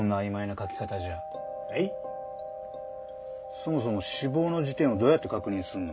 そもそも「死亡の時点」をどうやって確認すんの？